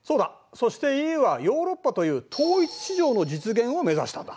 そしてＥＵはヨーロッパという統一市場の実現を目指したんだ。